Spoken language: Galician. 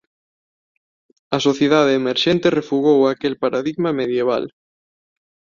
A sociedade emerxente refugou aquel paradigma medieval.